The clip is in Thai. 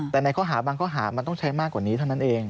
แต่ในข้อหาบางข้อหามันต้องใช้มากกว่านี้เท่านั้นเอง